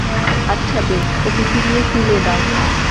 আচ্ছা, বেশ, ওকে ফিরিয়ে শুইয়ে দাও।